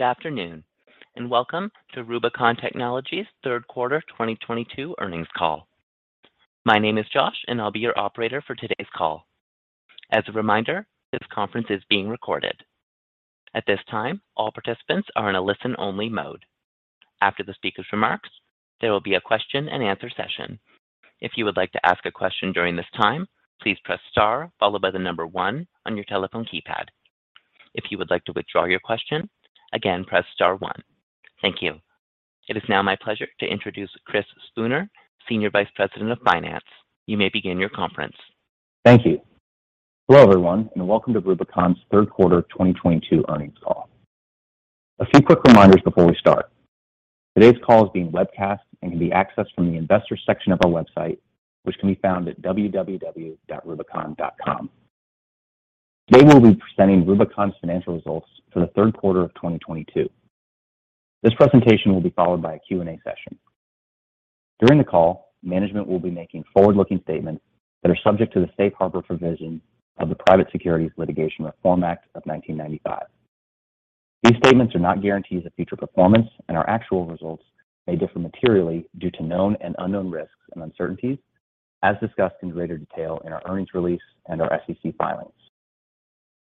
Good afternoon, and welcome to Rubicon Technologies' third quarter 2022 earnings call. My name is Josh, and I'll be your operator for today's call. As a reminder, this conference is being recorded. At this time, all participants are in a listen-only mode. After the speaker's remarks, there will be a question-and-answer session. If you would like to ask a question during this time, please press star followed by the number one on your telephone keypad. If you would like to withdraw your question, again, press star one. Thank you. It is now my pleasure to introduce Chris Spooner, Senior Vice President of Finance. You may begin your conference. Thank you. Hello, everyone, and welcome to Rubicon's third quarter 2022 earnings call. A few quick reminders before we start. Today's call is being webcast and can be accessed from the investors section of our website, which can be found at www.rubicon.com. Today we'll be presenting Rubicon's financial results for the third quarter of 2022. This presentation will be followed by a Q&A session. During the call, management will be making forward-looking statements that are subject to the safe harbor provision of the Private Securities Litigation Reform Act of 1995. These statements are not guarantees of future performance and our actual results may differ materially due to known and unknown risks and uncertainties as discussed in greater detail in our earnings release and our SEC filings.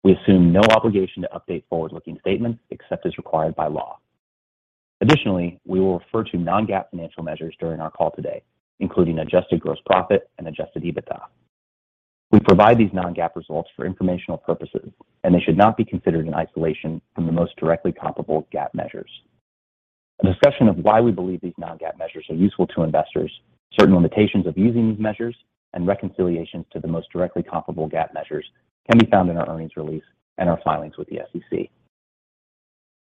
We assume no obligation to update forward-looking statements except as required by law. Additionally, we will refer to non-GAAP financial measures during our call today, including adjusted gross profit and adjusted EBITDA. We provide these non-GAAP results for informational purposes, and they should not be considered in isolation from the most directly comparable GAAP measures. A discussion of why we believe these non-GAAP measures are useful to investors, certain limitations of using these measures and reconciliations to the most directly comparable GAAP measures can be found in our earnings release and our filings with the SEC.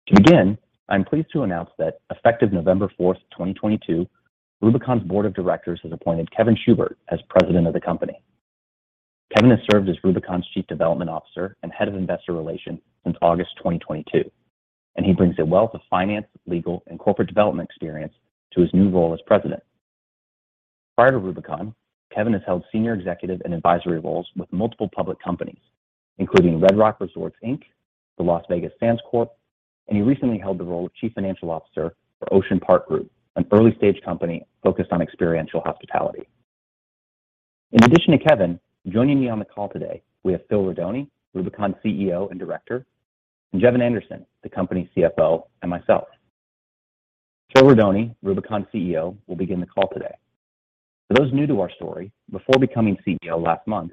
To begin, I'm pleased to announce that effective November 4, 2022, Rubicon's board of directors has appointed Kevin Schubert as President of the company. Kevin has served as Rubicon's Chief Development Officer and Head of Investor Relations since August 2022, and he brings a wealth of finance, legal, and corporate development experience to his new role as President. Prior to Rubicon, Kevin has held senior executive and advisory roles with multiple public companies, including Red Rock Resorts, Inc., the Las Vegas Sands Corp., and he recently held the role of Chief Financial Officer for Ocean Park Group, an early-stage company focused on experiential hospitality. In addition to Kevin, joining me on the call today, we have Phil Rodoni, Rubicon CEO and Director, and Jevan Anderson, the company CFO, and myself. Phil Rodoni, Rubicon CEO, will begin the call today. For those new to our story, before becoming CEO last month,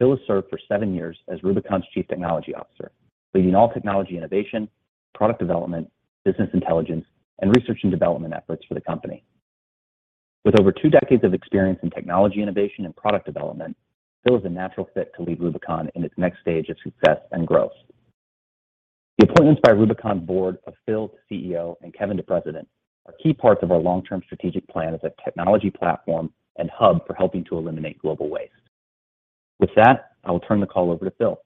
Phil has served for seven years as Rubicon's Chief Technology Officer, leading all technology innovation, product development, business intelligence, and research and development efforts for the company. With over two decades of experience in technology innovation and product development, Phil is a natural fit to lead Rubicon in its next stage of success and growth. The appointments by Rubicon board of Phil to CEO and Kevin to President are key parts of our long-term strategic plan as a technology platform and hub for helping to eliminate global waste. With that, I will turn the call over to Phil.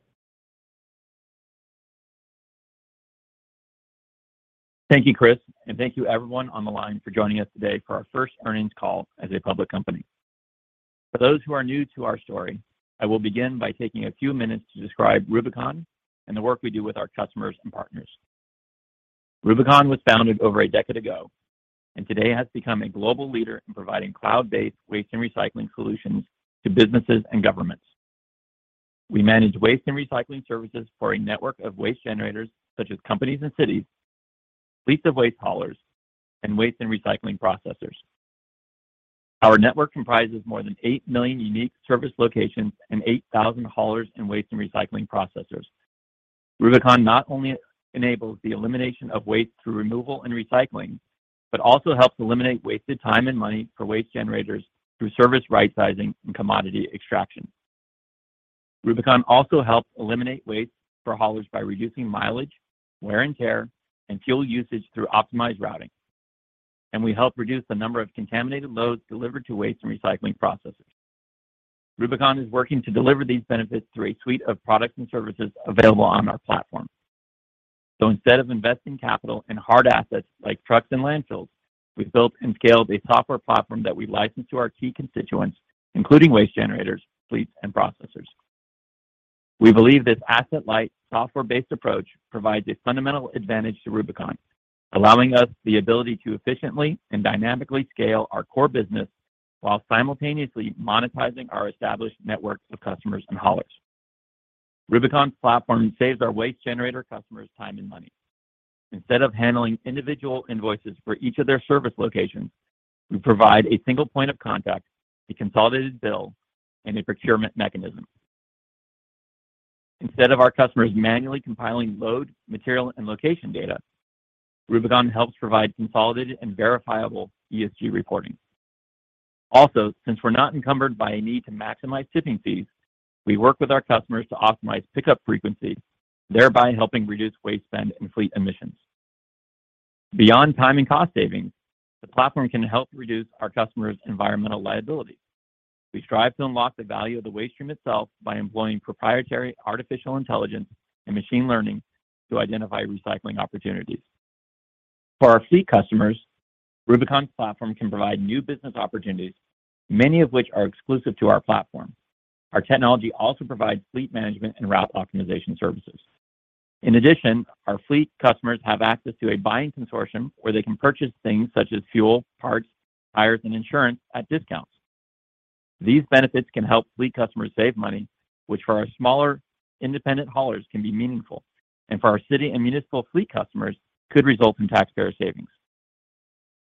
Thank you, Chris, and thank you everyone on the line for joining us today for our first earnings call as a public company. For those who are new to our story, I will begin by taking a few minutes to describe Rubicon and the work we do with our customers and partners. Rubicon was founded over a decade ago and today has become a global leader in providing cloud-based waste and recycling solutions to businesses and governments. We manage waste and recycling services for a network of waste generators, such as companies and cities, fleets of waste haulers, and waste and recycling processors. Our network comprises more than 8 million unique service locations and 8,000 haulers and waste and recycling processors. Rubicon not only enables the elimination of waste through removal and recycling, but also helps eliminate wasted time and money for waste generators through service rightsizing and commodity extraction. Rubicon also helps eliminate waste for haulers by reducing mileage, wear and tear, and fuel usage through optimized routing. We help reduce the number of contaminated loads delivered to waste and recycling processors. Rubicon is working to deliver these benefits through a suite of products and services available on our platform. Instead of investing capital in hard assets like trucks and landfills, we've built and scaled a software platform that we license to our key constituents, including waste generators, fleets, and processors. We believe this asset-light, software-based approach provides a fundamental advantage to Rubicon, allowing us the ability to efficiently and dynamically scale our core business while simultaneously monetizing our established networks of customers and haulers. Rubicon's platform saves our waste generator customers time and money. Instead of handling individual invoices for each of their service locations, we provide a single point of contact, a consolidated bill, and a procurement mechanism. Instead of our customers manually compiling load, material, and location data, Rubicon helps provide consolidated and verifiable ESG reporting. Also, since we're not encumbered by a need to maximize tipping fees, we work with our customers to optimize pickup frequency, thereby helping reduce waste spend and fleet emissions. Beyond time and cost savings, the platform can help reduce our customers' environmental liability. We strive to unlock the value of the waste stream itself by employing proprietary artificial intelligence and machine learning to identify recycling opportunities. For our fleet customers, Rubicon's platform can provide new business opportunities, many of which are exclusive to our platform. Our technology also provides fleet management and route optimization services. In addition, our fleet customers have access to a buying consortium where they can purchase things such as fuel, parts, tires, and insurance at discounts. These benefits can help fleet customers save money, which for our smaller independent haulers can be meaningful, and for our city and municipal fleet customers could result in taxpayer savings.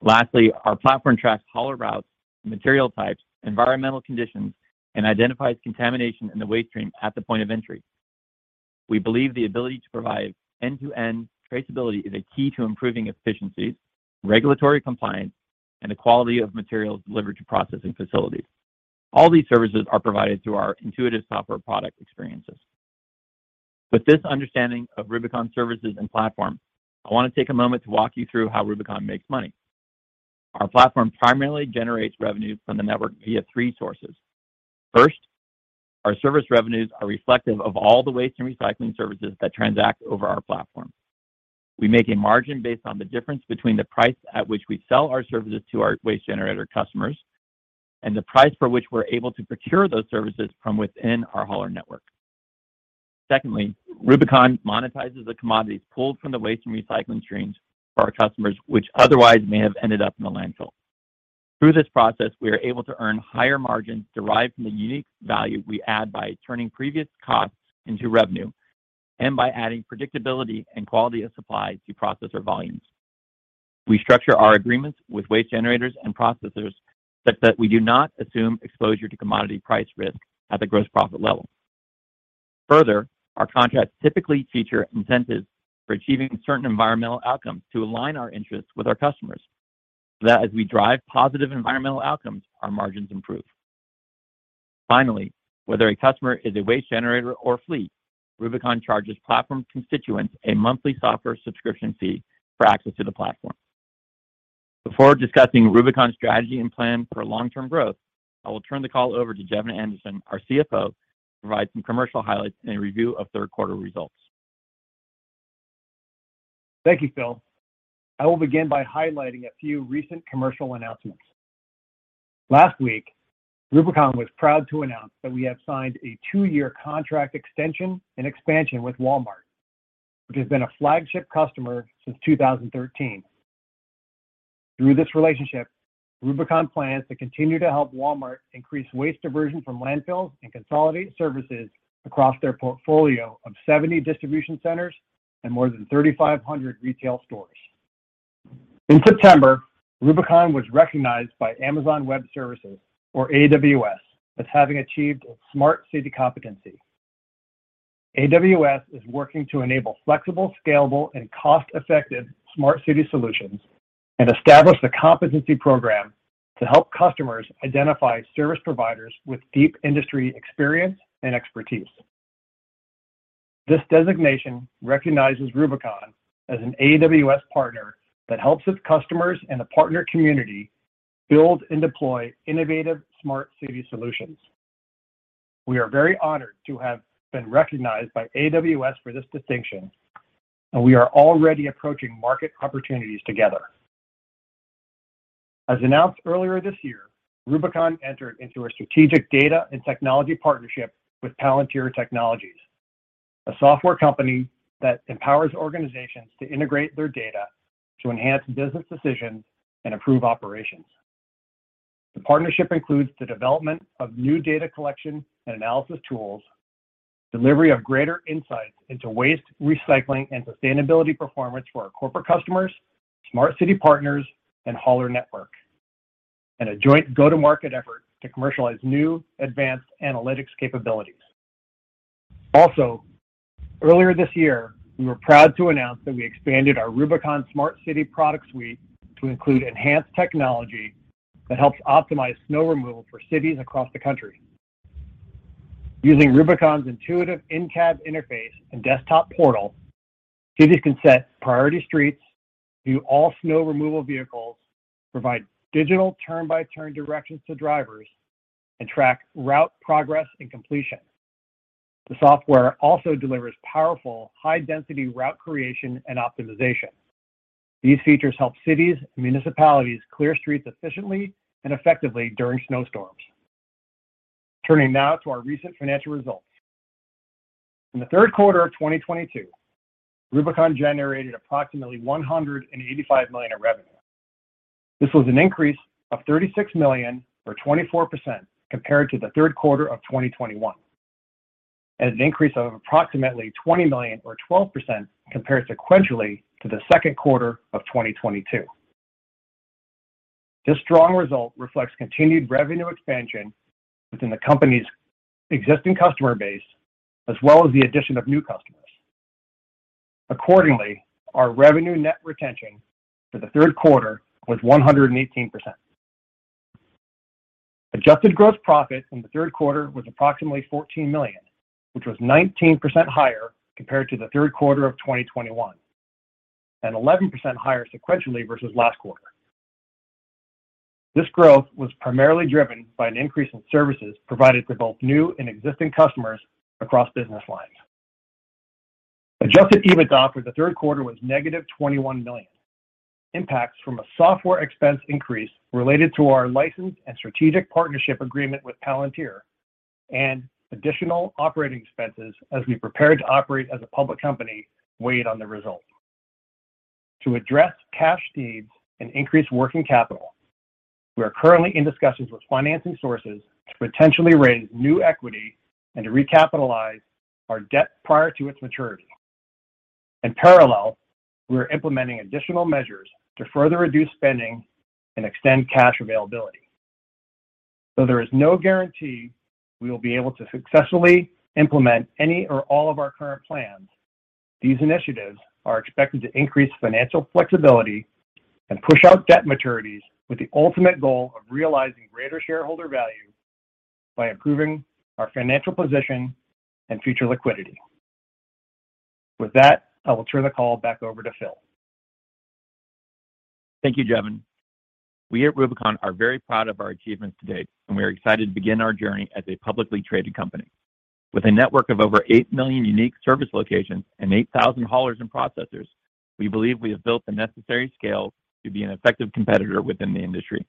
Lastly, our platform tracks hauler routes, material types, environmental conditions, and identifies contamination in the waste stream at the point of entry. We believe the ability to provide end-to-end traceability is a key to improving efficiency, regulatory compliance, and the quality of materials delivered to processing facilities. All these services are provided through our intuitive software product experiences. With this understanding of Rubicon services and platform, I want to take a moment to walk you through how Rubicon makes money. Our platform primarily generates revenue from the network via three sources. First, our service revenues are reflective of all the waste and recycling services that transact over our platform. We make a margin based on the difference between the price at which we sell our services to our waste generator customers and the price for which we're able to procure those services from within our hauler network. Secondly, Rubicon monetizes the commodities pulled from the waste and recycling streams for our customers, which otherwise may have ended up in the landfill. Through this process, we are able to earn higher margins derived from the unique value we add by turning previous costs into revenue and by adding predictability and quality of supply to processor volumes. We structure our agreements with waste generators and processors such that we do not assume exposure to commodity price risk at the gross profit level. Further, our contracts typically feature incentives for achieving certain environmental outcomes to align our interests with our customers, so that as we drive positive environmental outcomes, our margins improve. Finally, whether a customer is a waste generator or fleet, Rubicon charges platform constituents a monthly software subscription fee for access to the platform. Before discussing Rubicon's strategy and plan for long-term growth, I will turn the call over to Jevan Anderson, our CFO, to provide some commercial highlights and a review of third quarter results. Thank you, Phil. I will begin by highlighting a few recent commercial announcements. Last week, Rubicon was proud to announce that we have signed a two-year contract extension and expansion with Walmart, which has been a flagship customer since 2013. Through this relationship, Rubicon plans to continue to help Walmart increase waste diversion from landfills and consolidate services across their portfolio of 70 distribution centers and more than 3,500 retail stores. In September, Rubicon was recognized by Amazon Web Services, or AWS, as having achieved its Smart City Competency. AWS is working to enable flexible, scalable and cost-effective smart city solutions and established a competency program to help customers identify service providers with deep industry experience and expertise. This designation recognizes Rubicon as an AWS partner that helps its customers and the partner community build and deploy innovative smart city solutions. We are very honored to have been recognized by AWS for this distinction, and we are already approaching market opportunities together. As announced earlier this year, Rubicon entered into a strategic data and technology partnership with Palantir Technologies, a software company that empowers organizations to integrate their data to enhance business decisions and improve operations. The partnership includes the development of new data collection and analysis tools, delivery of greater insights into waste, recycling, and sustainability performance for our corporate customers, smart city partners and hauler network, and a joint go-to-market effort to commercialize new advanced analytics capabilities. Also, earlier this year, we were proud to announce that we expanded our RUBICONSmartCity product suite to include enhanced technology that helps optimize snow removal for cities across the country. Using Rubicon's intuitive in-cab interface and desktop portal, cities can set priority streets to all snow removal vehicles, provide digital turn-by-turn directions to drivers and track route progress and completion. The software also delivers powerful high-density route creation and optimization. These features help cities and municipalities clear streets efficiently and effectively during snowstorms. Turning now to our recent financial results. In the third quarter of 2022, Rubicon generated approximately $185 million in revenue. This was an increase of $36 million or 24% compared to the third quarter of 2021, and an increase of approximately $20 million or 12% compared sequentially to the second quarter of 2022. This strong result reflects continued revenue expansion within the company's existing customer base, as well as the addition of new customers. Accordingly, our net revenue retention for the third quarter was 118%. Adjusted gross profit in the third quarter was approximately $14 million, which was 19% higher compared to the third quarter of 2021, and 11% higher sequentially versus last quarter. This growth was primarily driven by an increase in services provided to both new and existing customers across business lines. Adjusted EBITDA for the third quarter was -$21 million. Impacts from a software expense increase related to our license and strategic partnership agreement with Palantir and additional operating expenses as we prepare to operate as a public company weighed on the result. To address cash needs and increase working capital, we are currently in discussions with financing sources to potentially raise new equity and to recapitalize our debt prior to its maturity. In parallel, we're implementing additional measures to further reduce spending and extend cash availability. Though there is no guarantee we will be able to successfully implement any or all of our current plans, these initiatives are expected to increase financial flexibility and push out debt maturities with the ultimate goal of realizing greater shareholder value by improving our financial position and future liquidity. With that, I will turn the call back over to Phil. Thank you, Jevan. We at Rubicon are very proud of our achievements to date, and we are excited to begin our journey as a publicly traded company. With a network of over 8 million unique service locations and 8,000 haulers and processors, we believe we have built the necessary scale to be an effective competitor within the industry.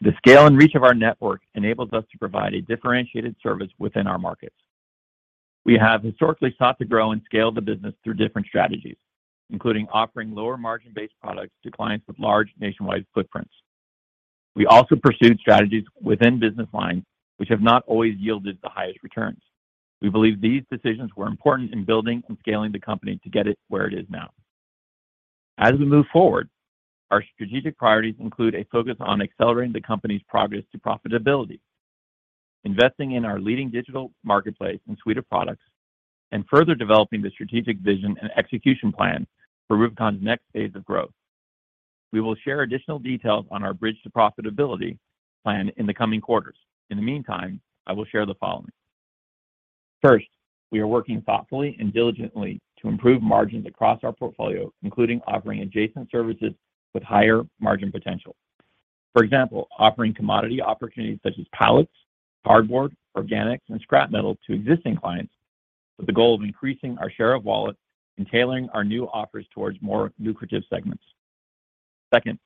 The scale and reach of our network enables us to provide a differentiated service within our markets. We have historically sought to grow and scale the business through different strategies, including offering lower margin-based products to clients with large nationwide footprints. We also pursued strategies within business lines which have not always yielded the highest returns. We believe these decisions were important in building and scaling the company to get it where it is now. As we move forward, our strategic priorities include a focus on accelerating the company's progress to profitability, investing in our leading digital marketplace and suite of products, and further developing the strategic vision and execution plan for Rubicon's next phase of growth. We will share additional details on our bridge to profitability plan in the coming quarters. In the meantime, I will share the following. First, we are working thoughtfully and diligently to improve margins across our portfolio, including offering adjacent services with higher margin potential. For example, offering commodity opportunities such as pallets, cardboard, organics, and scrap metal to existing clients with the goal of increasing our share of wallet and tailoring our new offers towards more lucrative segments. Second,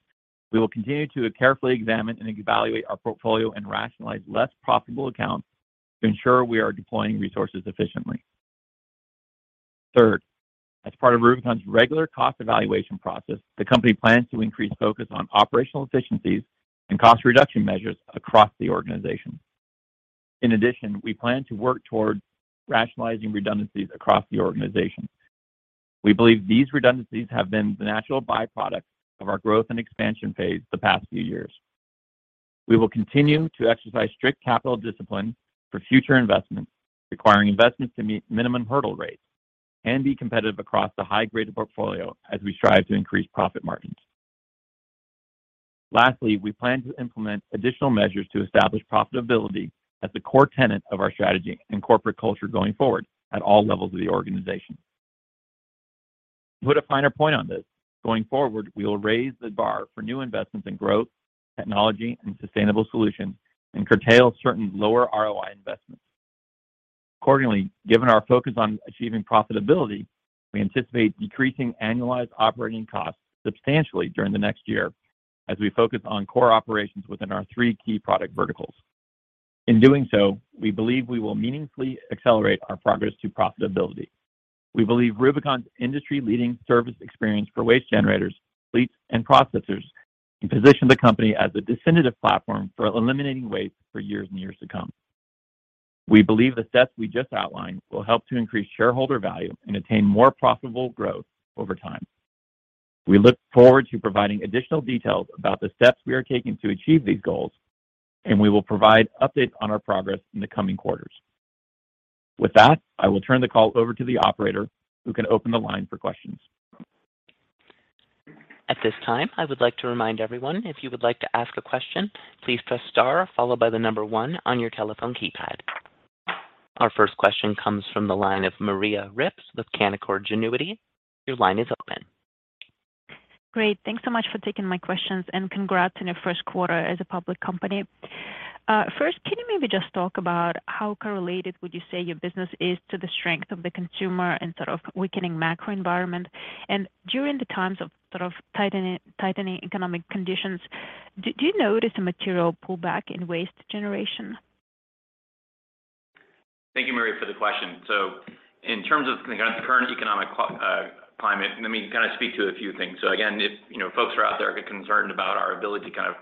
we will continue to carefully examine and evaluate our portfolio and rationalize less profitable accounts to ensure we are deploying resources efficiently. Third, as part of Rubicon's regular cost evaluation process, the company plans to increase focus on operational efficiencies and cost reduction measures across the organization. In addition, we plan to work towards rationalizing redundancies across the organization. We believe these redundancies have been the natural byproduct of our growth and expansion phase the past few years. We will continue to exercise strict capital discipline for future investments, requiring investments to meet minimum hurdle rates and be competitive across the high-grade portfolio as we strive to increase profit margins. Lastly, we plan to implement additional measures to establish profitability as a core tenet of our strategy and corporate culture going forward at all levels of the organization. To put a finer point on this, going forward, we will raise the bar for new investments in growth, technology, and sustainable solutions and curtail certain lower ROI investments. Accordingly, given our focus on achieving profitability, we anticipate decreasing annualized operating costs substantially during the next year as we focus on core operations within our three key product verticals. In doing so, we believe we will meaningfully accelerate our progress to profitability. We believe Rubicon's industry-leading service experience for waste generators, fleets, and processors can position the company as a definitive platform for eliminating waste for years and years to come. We believe the steps we just outlined will help to increase shareholder value and attain more profitable growth over time. We look forward to providing additional details about the steps we are taking to achieve these goals, and we will provide updates on our progress in the coming quarters. With that, I will turn the call over to the operator, who can open the line for questions. At this time, I would like to remind everyone if you would like to ask a question, please press star followed by the number one on your telephone keypad. Our first question comes from the line of Maria Ripps with Canaccord Genuity. Your line is open. Great. Thanks so much for taking my questions, and congrats on your first quarter as a public company. First, can you maybe just talk about how correlated would you say your business is to the strength of the consumer and sort of weakening macro environment? During the times of sort of tightening economic conditions, do you notice a material pullback in waste generation? Thank you, Maria, for the question. In terms of the current economic climate, let me kind of speak to a few things. Again, if, you know, folks are out there concerned about our ability to kind of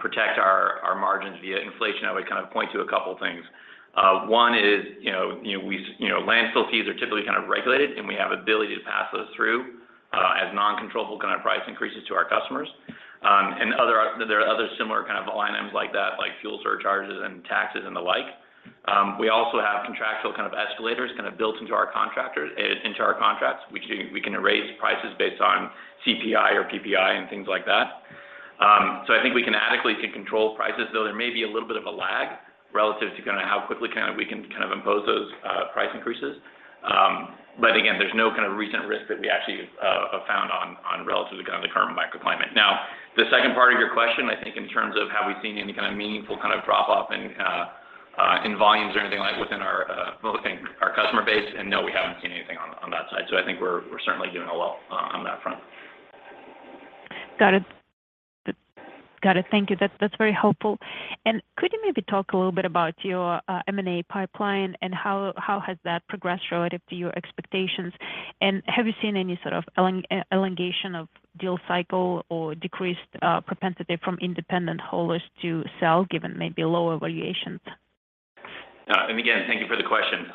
protect our margins via inflation, I would kind of point to a couple things. One is, you know, landfill fees are typically kind of regulated, and we have ability to pass those through as non-controllable kind of price increases to our customers. There are other similar kind of line items like that, like fuel surcharges and taxes and the like. We also have contractual kind of escalators kind of built into our contracts. We can raise prices based on CPI or PPI and things like that. I think we can adequately control prices, though there may be a little bit of a lag. Relative to kind of how quickly kind of we can kind of impose those price increases. Again, there's no kind of recent risk that we actually have found or relative to kind of the current microclimate. Now, the second part of your question, I think in terms of have we seen any kind of meaningful kind of drop off in volumes or anything like within our customer base, and no, we haven't seen anything on that side. I think we're certainly doing well on that front. Got it. Thank you. That's very helpful. Could you maybe talk a little bit about your M&A pipeline and how has that progressed relative to your expectations? Have you seen any sort of elongation of deal cycle or decreased propensity from independent holders to sell, given maybe lower valuations? Again, thank you for the question.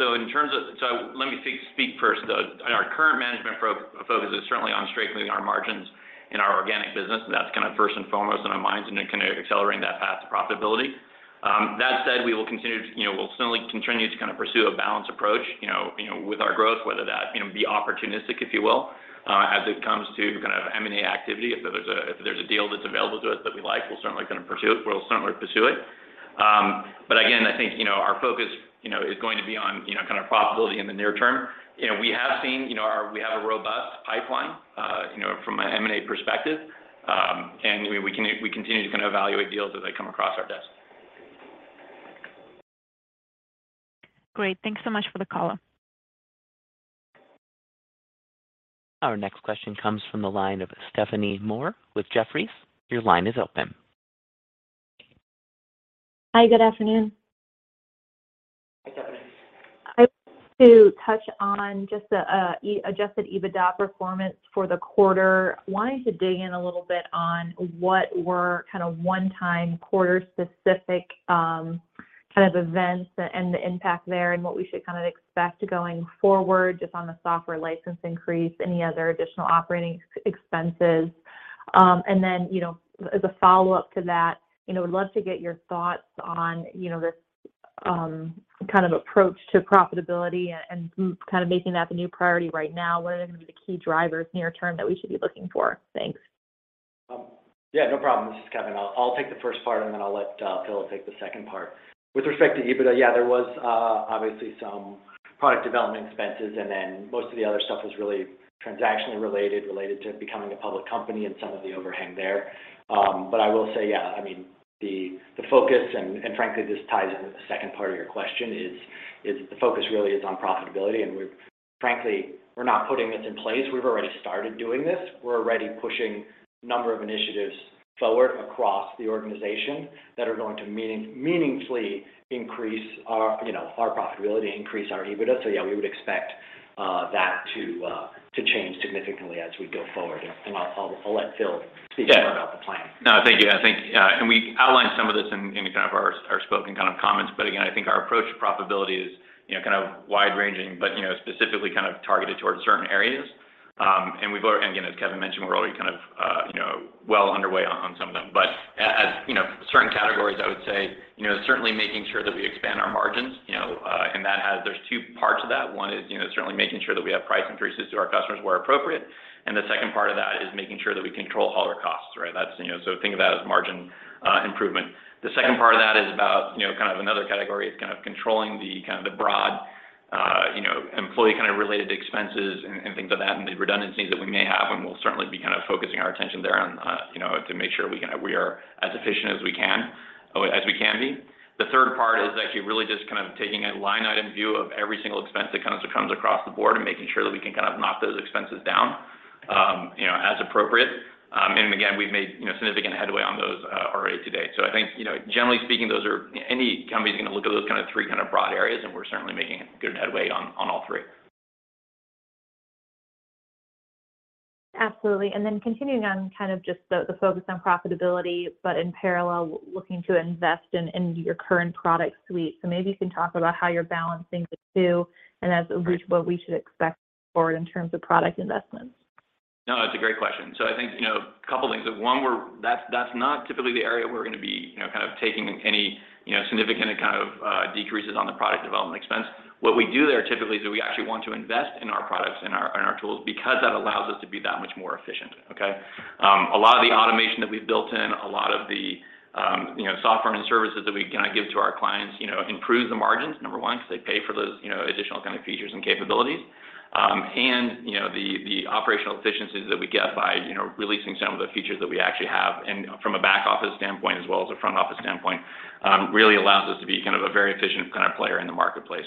Let me speak first. Our current management focus is certainly on strengthening our margins in our organic business. That's kind of first and foremost on our minds, and then kind of accelerating that path to profitability. That said, we will continue to, you know, we'll certainly continue to kind of pursue a balanced approach, you know, with our growth, whether that, you know, be opportunistic, if you will, as it comes to kind of M&A activity. If there's a deal that's available to us that we like, we'll certainly gonna pursue it. But again, I think, you know, our focus, you know, is going to be on, you know, kind of profitability in the near term. You know, we have seen, you know, we have a robust pipeline, you know, from an M&A perspective, and we continue to kind of evaluate deals as they come across our desk. Great. Thanks so much for the call. Our next question comes from the line of Stephanie Moore with Jefferies. Your line is open. Hi, good afternoon. Hi, Stephanie. I want to touch on just the adjusted EBITDA performance for the quarter. Wanted to dig in a little bit on what were kind of one-time quarter specific kind of events and the impact there and what we should kind of expect going forward, just on the software license increase, any other additional operating expenses. Then, you know, as a follow-up to that, you know, would love to get your thoughts on, you know, this kind of approach to profitability and kind of making that the new priority right now. What are gonna be the key drivers near term that we should be looking for? Thanks. Yeah, no problem. This is Kevin. I'll take the first part, and then I'll let Phil take the second part. With respect to EBITDA, yeah, there was obviously some product development expenses, and then most of the other stuff was really transactionally related to becoming a public company and some of the overhang there. I will say, yeah, I mean, the focus and frankly, this ties into the second part of your question is the focus really on profitability. We're frankly not putting this in place. We've already started doing this. We're already pushing a number of initiatives forward across the organization that are going to meaningfully increase our, you know, our profitability, increase our EBITDA. Yeah, we would expect that to change significantly as we go forward. I'll let Phil speak more about the plan. Yeah. No, thank you. I think we outlined some of this in kind of our opening kind of comments, but again, I think our approach to profitability is, you know, kind of wide-ranging, but, you know, specifically kind of targeted towards certain areas. Again, as Kevin mentioned, we're already kind of, you know, well underway on some of them. As you know, certain categories, I would say, you know, certainly making sure that we expand our margins, you know, and there's two parts to that. One is, you know, certainly making sure that we have price increases to our customers where appropriate, and the second part of that is making sure that we control all our costs, right? That's, you know, think of that as margin improvement. The second part of that is about, you know, kind of another category. It's kind of controlling the kind of the broad, you know, employee kind of related expenses and things of that, and the redundancies that we may have, and we'll certainly be kind of focusing our attention there on, you know, to make sure we are as efficient as we can, as we can be. The third part is actually really just kind of taking a line item view of every single expense that kind of comes across the board and making sure that we can kind of knock those expenses down, you know, as appropriate. Again, we've made, you know, significant headway on those, already to date. I think, you know, generally speaking, those are any company's gonna look at those kind of three kind of broad areas, and we're certainly making good headway on all three. Absolutely. Continuing on kind of just the focus on profitability, but in parallel, looking to invest in your current product suite. Maybe you can talk about how you're balancing the two and what we should expect forward in terms of product investments. No, that's a great question. I think, you know, a couple things. One, that's not typically the area where we're gonna be, you know, kind of taking any, you know, significant kind of decreases on the product development expense. What we do there typically is that we actually want to invest in our products and our tools because that allows us to be that much more efficient, okay? A lot of the automation that we've built in, a lot of the, you know, software and services that we kinda give to our clients, you know, improve the margins, number one, 'cause they pay for those, you know, additional kind of features and capabilities. You know, the operational efficiencies that we get by you know, releasing some of the features that we actually have and from a back office standpoint as well as a front office standpoint really allows us to be kind of a very efficient kind of player in the marketplace.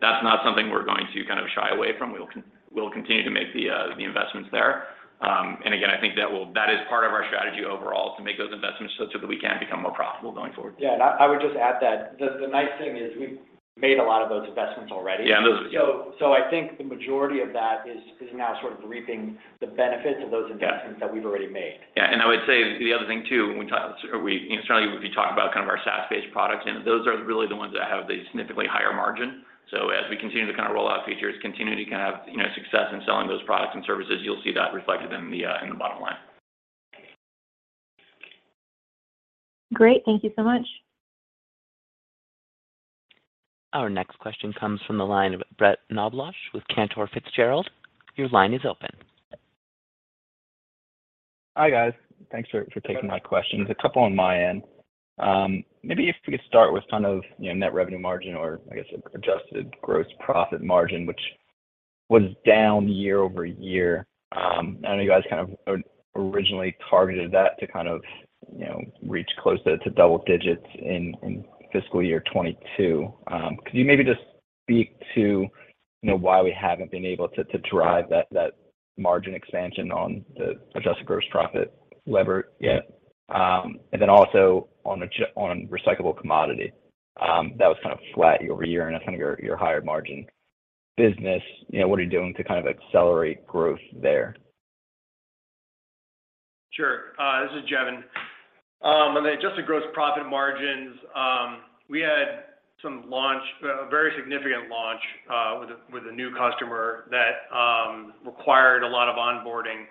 That's not something we're going to kind of shy away from. We'll continue to make the investments there. I think that is part of our strategy overall, to make those investments so that we can become more profitable going forward. Yeah. I would just add that the nice thing is we've made a lot of those investments already. Yeah. I think the majority of that is now sort of reaping the benefits of those investments that we've already made. Yeah. I would say the other thing too, when we talk, we certainly talk about kind of our SaaS-based products, and those are really the ones that have the significantly higher margin. As we continue to kind of roll out features, you know, success in selling those products and services, you'll see that reflected in the bottom line. Great. Thank you so much. Our next question comes from the line of Brett Knoblauch with Cantor Fitzgerald. Your line is open. Hi, guys. Thanks for taking my questions. A couple on my end. Maybe if we could start with kind of, you know, net revenue margin or, I guess, adjusted gross profit margin, which was down year-over-year. I know you guys kind of originally targeted that to kind of, you know, reach close to double digits in fiscal year 2022. Could you maybe just speak to, you know, why we haven't been able to drive that margin expansion on the adjusted gross profit lever yet? Then also on recyclable commodity, that was kind of flat year-over-year and that's kind of your higher margin business. You know, what are you doing to kind of accelerate growth there? Sure. This is Jevan. On the adjusted gross profit margins, we had a very significant launch with a new customer that required a lot of onboarding.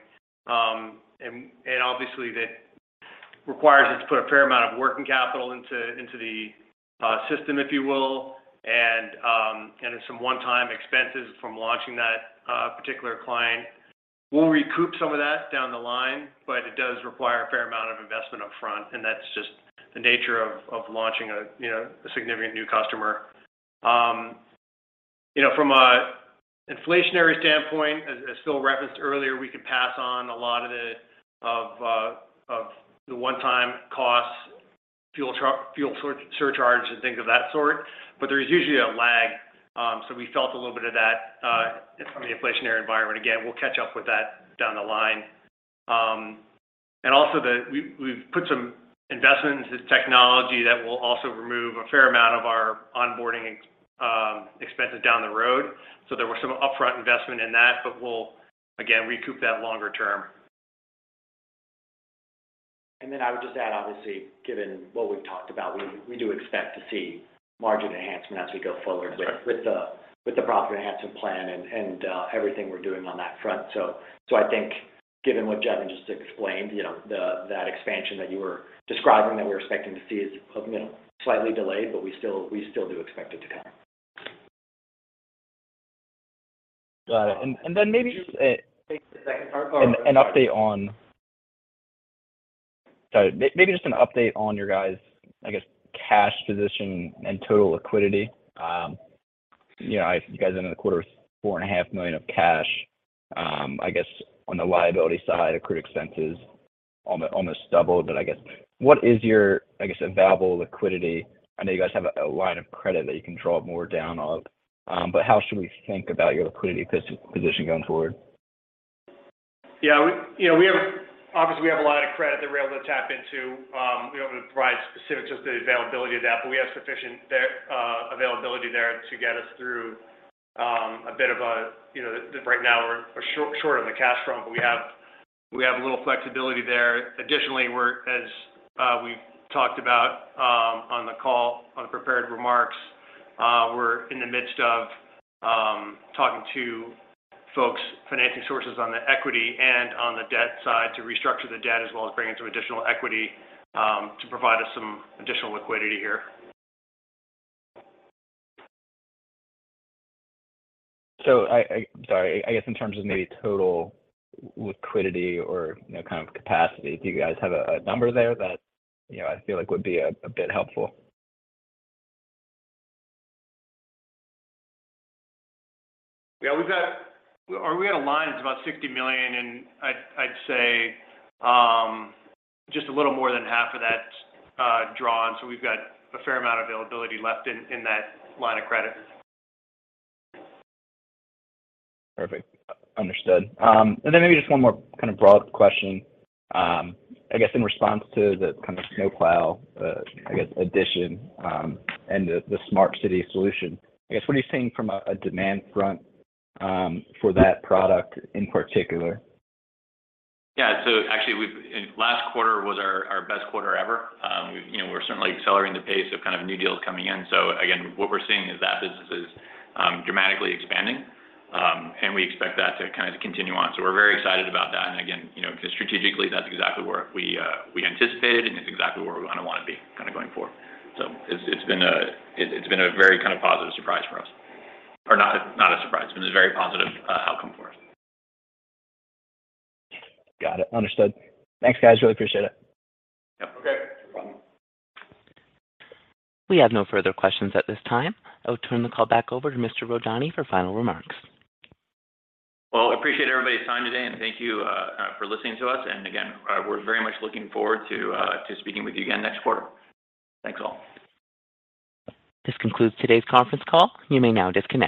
Obviously that requires us to put a fair amount of working capital into the system, if you will. Then some one-time expenses from launching that particular client. We'll recoup some of that down the line, but it does require a fair amount of investment up front, and that's just the nature of launching a significant new customer. You know, from an inflationary standpoint, as Phil referenced earlier, we could pass on a lot of the one-time costs, fuel surcharge and things of that sort. There's usually a lag, so we felt a little bit of that from the inflationary environment. Again, we'll catch up with that down the line. We've put some investment into technology that will also remove a fair amount of our onboarding expenses down the road. There were some upfront investment in that, but we'll again recoup that longer term. I would just add, obviously, given what we've talked about, we do expect to see margin enhancement as we go forward. Right With the profit enhancement plan and everything we're doing on that front. I think given what Jevan just explained, you know, that expansion that you were describing that we're expecting to see is, you know, slightly delayed, but we still do expect it to happen. Got it. The second part. Maybe just an update on your guys', I guess, cash position and total liquidity. You know, you guys ended the quarter with $4.5 million in cash. I guess on the liability side, accrued expenses almost doubled. What is your, I guess, available liquidity? I know you guys have a line of credit that you can draw down more of, but how should we think about your liquidity position going forward? Yeah, we, you know, we have obviously we have a lot of credit that we're able to tap into. We don't wanna provide specifics as to the availability of that, but we have sufficient availability there to get us through a bit of a, you know, right now we're short on the cash front, but we have a little flexibility there. Additionally, we're, as we talked about on the call, on the prepared remarks, we're in the midst of talking to folks, financing sources on the equity and on the debt side to restructure the debt as well as bring in some additional equity to provide us some additional liquidity here. Sorry. I guess in terms of maybe total liquidity or, you know, kind of capacity. Do you guys have a number there that, you know, I feel like would be a bit helpful? Yeah, or we had a line that's about $60 million and I'd say just a little more than half of that's drawn. We've got a fair amount of availability left in that line of credit. Perfect. Understood. Maybe just one more kind of broad question, I guess in response to the kind of RUBICONSmartCity, I guess addition, and the Smart City solution. I guess, what are you seeing from a demand front, for that product in particular? Yeah. Actually, last quarter was our best quarter ever. You know, we're certainly accelerating the pace of kind of new deals coming in. Again, what we're seeing is that business is dramatically expanding. We expect that to kind of continue on. We're very excited about that. Again, you know, 'cause strategically that's exactly where we anticipated, and it's exactly where we kinda wanna be kinda going forward. It's been a very kind of positive surprise for us. Or not a surprise, but it's a very positive outcome for us. Got it. Understood. Thanks, guys. Really appreciate it. Yeah. Okay. No problem. We have no further questions at this time. I will turn the call back over to Mr. Rodoni for final remarks. Well, appreciate everybody's time today, and thank you for listening to us. Again, we're very much looking forward to speaking with you again next quarter. Thanks, all. This concludes today's conference call. You may now disconnect.